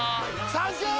サンキュー！！